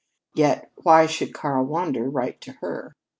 Yet why should Karl Wander write to her?